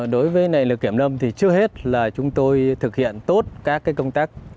đối với nực lượng kiểm lâm thì trước hết là chúng tôi thực hiện tốt các công tác